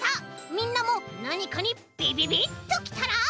みんなもなにかにビビビッときたら。